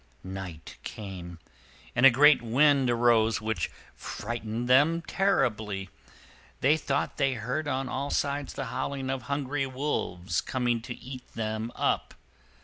Night came, and a great wind arose which frightened them terribly. They thought they heard on all sides the howling of hungry wolves coming to eat them up.